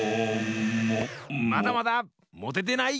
まだまだ！もててない！